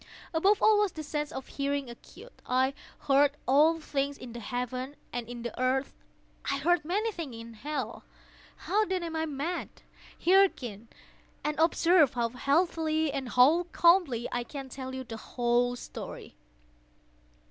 Above all was the sense of hearing acute. I heard all things in the heaven and in the earth. I heard many things in hell. How, then, am I mad? Hearken! and observe how healthily—how calmly I can tell you the whole story.